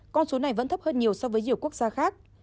con số này vẫn thấp hơn nhiều so với nhiều quốc gia khác